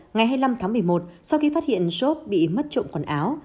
ngày hai mươi năm tháng một mươi một sau khi phát hiện shop bị mất trộm quần áo